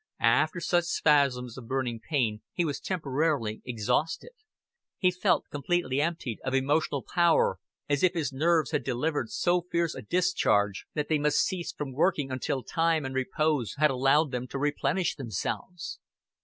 After such spasms of burning pain he was temporarily exhausted; he felt completely emptied of emotional power, as if his nerves had delivered so fierce a discharge that they must cease from working until time and repose had allowed them to replenish themselves.